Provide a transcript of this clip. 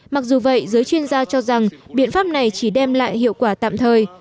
mặc dù vậy giới chuyên gia cho rằng biện pháp này chỉ đem lại hiệu quả tạm thời